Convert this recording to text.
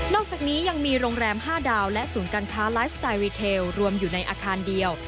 อกจากนี้ยังมีโรงแรม๕ดาวและศูนย์การค้าไลฟ์สไตล์รีเทลรวมอยู่ในอาคารเดียว